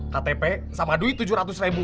ktp sama duit tujuh ratus ribu